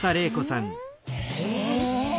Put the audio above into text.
え？